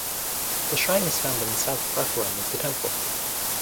The shrine is found in the south Prakaram of the temple.